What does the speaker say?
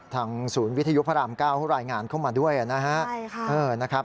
ทางศูนย์วิทยุพระราม๙เขารายงานเข้ามาด้วยนะครับ